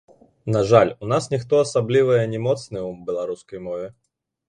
На жаль, у нас ніхто асаблівае не моцны ў беларускай мове.